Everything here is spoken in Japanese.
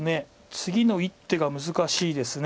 次の１手が難しいです。